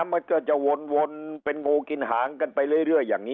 มันก็จะวนเป็นงูกินหางกันไปเรื่อยอย่างนี้